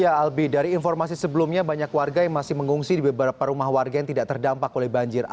ya albi dari informasi sebelumnya banyak warga yang masih mengungsi di beberapa rumah warga yang tidak terdampak oleh banjir